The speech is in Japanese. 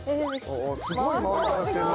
すごい回り方してんな。